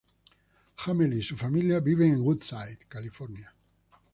Hamel y su familia viven en Woodside, California.